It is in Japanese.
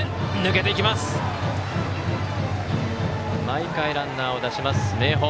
毎回ランナーを出します、明豊。